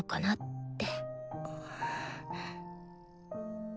って。